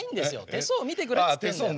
手相を見てくれってっつってんだよ。